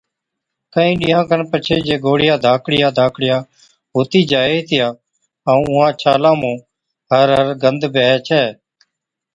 ڪهِين ڏِينهان کن پڇي جي گوڙهِيا ڌاڪڙِيا ڌاڪڙِيا هُتِي جائي هِتِيا ائُون اُونهان ڇالان مُون هر هر گند بيهَي ڇَي۔